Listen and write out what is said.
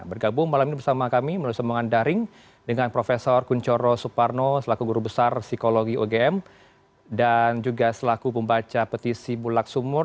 bergabung malam ini bersama kami melalui sambungan daring dengan prof kunchoro suparno selaku guru besar psikologi ugm dan juga selaku pembaca petisi bulak sumur